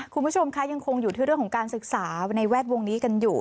คุณผู้ชมคะยังคงอยู่ที่เรื่องของการศึกษาในแวดวงนี้กันอยู่